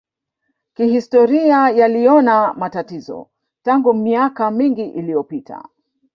Kihistoria yaliona matatizo tangu miaka mingi iliyopita